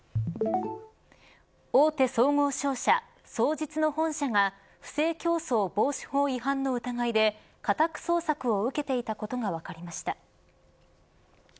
大手総合商社、双日の本社が不正競争防止法違反の疑いで家宅捜索を受けていたことが分かりました。